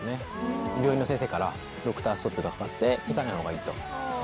病院の先生からドクターストップがかかって行かないほうがいいと。